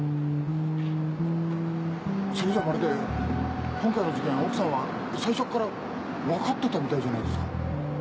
それじゃまるで今回の事件奥さんは最初からわかってたみたいじゃないですか。